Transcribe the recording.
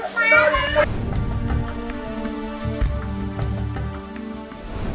พอแล้วพอมาลึก